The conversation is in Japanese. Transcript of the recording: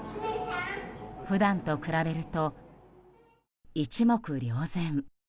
普段と比べると、一目瞭然。